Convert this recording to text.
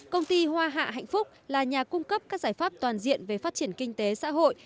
công ty hoa hạ hạnh phúc là nhà cung cấp các giải pháp toàn diện về phát triển kinh tế xã hội